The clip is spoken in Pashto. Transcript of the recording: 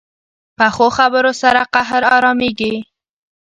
پخو خبرو سره قهر ارامېږي